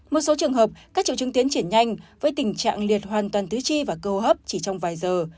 một số trường hợp các triệu chứng tiến triển nhanh với tình trạng liệt hoàn toàn tứ chi và cơ hô hấp chỉ trong vài giờ